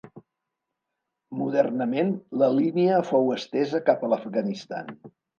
Modernament la línia fou estesa cap a l'Afganistan.